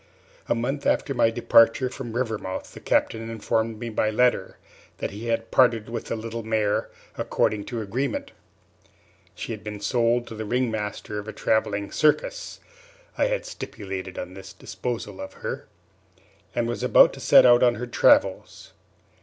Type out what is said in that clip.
A month after my departure from Rivermouth the Captain informed me by letter that he had parted with the little mare, according to agreement. She had been sold to the ring master of a travelling circus (I had stipulated on this disposal of her), and was about to set out on her travels.